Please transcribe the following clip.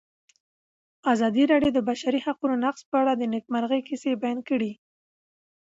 ازادي راډیو د د بشري حقونو نقض په اړه د نېکمرغۍ کیسې بیان کړې.